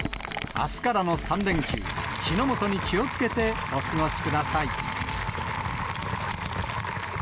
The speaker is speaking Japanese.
あすからの３連休、火の元に気をつけてお過ごしください。